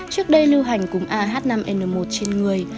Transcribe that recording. trước đây lưu hành cúm a h năm n một trên người